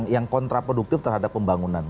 yang kontraproduktif terhadap pembangunan